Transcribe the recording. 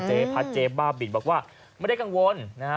เจ๊บ้าบินบอกว่าไม่ได้กังวลนะฮะ